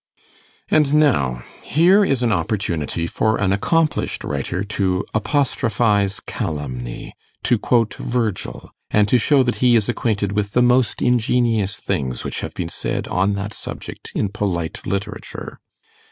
And now, here is an opportunity for an accomplished writer to apostrophize calumny, to quote Virgil, and to show that he is acquainted with the most ingenious things which have been said on that subject in polite literature.